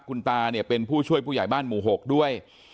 คุณตาเนี่ยเป็นผู้ช่วยผู้ใหญ่บ้านหมู่๖ด้วย